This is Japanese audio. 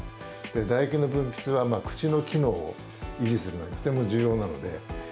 唾液の分泌は、口の機能を維持するのにとても重要なので。